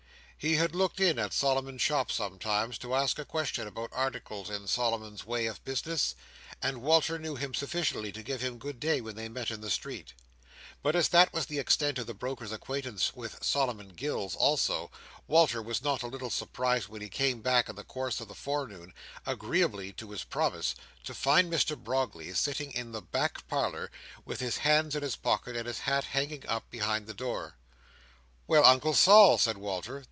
He had looked in at Solomon's shop sometimes, to ask a question about articles in Solomon's way of business; and Walter knew him sufficiently to give him good day when they met in the street. But as that was the extent of the broker's acquaintance with Solomon Gills also, Walter was not a little surprised when he came back in the course of the forenoon, agreeably to his promise, to find Mr Brogley sitting in the back parlour with his hands in his pockets, and his hat hanging up behind the door. "Well, Uncle Sol!" said Walter.